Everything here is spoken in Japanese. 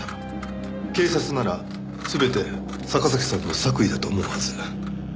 警察なら全て坂崎さんの作為だと思うはず。